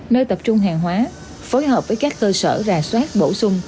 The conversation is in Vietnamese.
nơi tập trung hàng hóa phối hợp với các cơ sở rà soát bổ sung